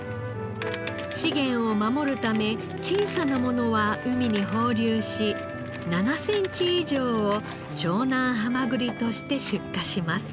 資源を守るため小さなものは海に放流し７センチ以上を湘南はまぐりとして出荷します。